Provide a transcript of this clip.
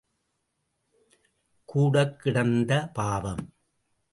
கூடக் கிடந்த பாவம்.